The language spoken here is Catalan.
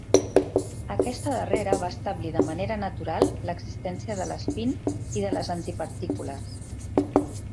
Aquesta darrera va establir de manera natural l'existència de l'espín i de les antipartícules.